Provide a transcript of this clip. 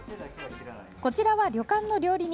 こちらは旅館の料理人。